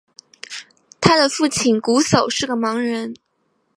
他的父亲瞽叟是个盲人。